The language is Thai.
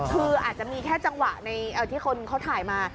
คืออาจจะมีแค่จังหวะในที่คนเขาถ่ายมา